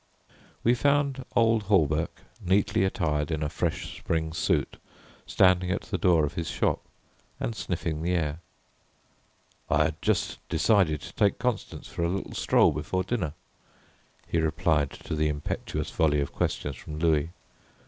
We found old Hawberk, neatly attired in a fresh spring suit, standing at the door of his shop and sniffing the air. "I had just decided to take Constance for a little stroll before dinner," he replied to the impetuous volley of questions from Louis.